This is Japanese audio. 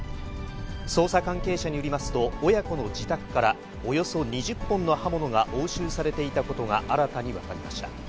捜査関係者によりますと、親子の自宅からおよそ２０本の刃物が押収されていたことが新たに分かりました。